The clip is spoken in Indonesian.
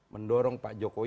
mendorong pak jokowi